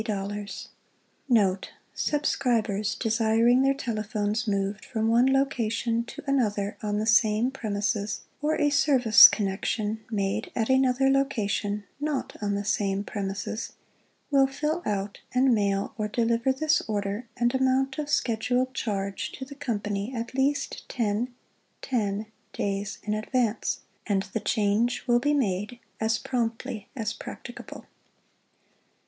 00 Note ŌĆö Subscribers desiring their telephones moved from one location to another on the same premises, or a service connection made at another loca tion not on the same premises, will fill out and mail or dehver this order and amount of scheduled charge to the Company at least ten (10) days in advance, and the change will be made as promptly as practicable.